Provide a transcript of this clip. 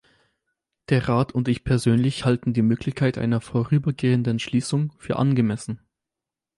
Der Rat und ich persönlich halten die Möglichkeit einer vorübergehenden Schließung für angemessen.